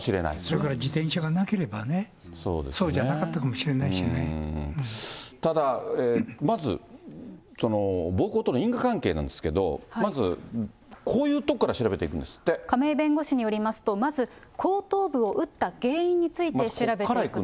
それから自転車がなければね、そうじゃなかったかもしれないしただ、まず暴行との因果関係なんですけど、まずこういうとこから調べて亀井弁護士によりますと、まず後頭部を打った原因について調べていくと。